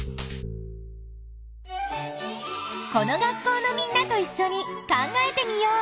この学校のみんなといっしょに考えてみよう！